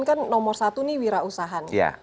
kan nomor satu nih wirausaha